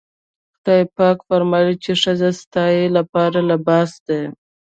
خدای پاک فرمايي چې ښځې ستاسې لپاره لباس دي.